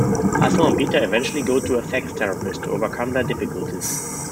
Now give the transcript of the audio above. Hazel and Peter eventually go to a sex therapist to overcome their difficulties.